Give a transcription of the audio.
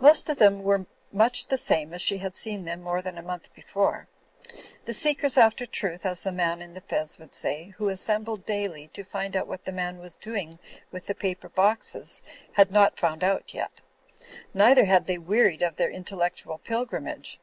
Most of them were much the same as she had seen them more than a month before. The seekers after truth (as the man in the fez would say) who assembled daily to find out what the man was doing with the paper boxes, had not found out yet ; neither had they wearied of their intellectual pilgrimage.